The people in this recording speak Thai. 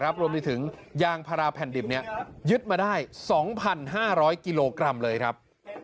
รวมถึงยางพาราแผ่นดิบนี้ยึดมาได้๒๕๐๐กิโลกรัมเลยครับ